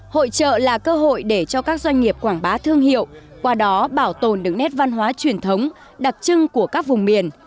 hội trợ là cơ hội để cho các doanh nghiệp quảng bá thương hiệu qua đó bảo tồn được nét văn hóa truyền thống đặc trưng của các vùng miền